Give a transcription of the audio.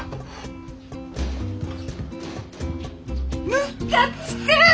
ムカつく！